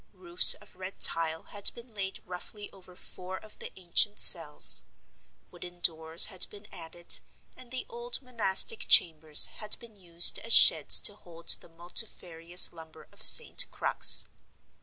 Roofs of red tile had been laid roughly over four of the ancient cells; wooden doors had been added; and the old monastic chambers had been used as sheds to hold the multifarious lumber of St. Crux.